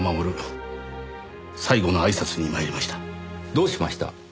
どうしました？